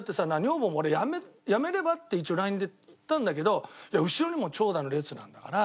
女房も俺「やめれば？」って一応ＬＩＮＥで言ったんだけど「いや後ろにも長蛇の列なんだから」